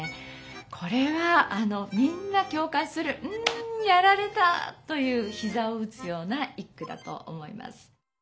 これはみんなきょう感する「んやられた」というひざをうつような一句だと思います。